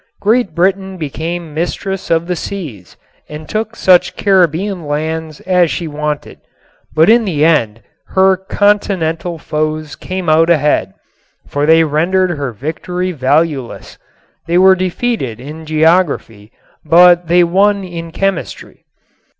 Great Britain became mistress of the seas and took such Caribbean lands as she wanted. But in the end her continental foes came out ahead, for they rendered her victory valueless. They were defeated in geography but they won in chemistry.